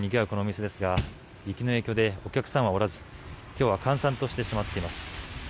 このお店ですが雪の影響でお客さんはおらず今日は閑散としてしまっています。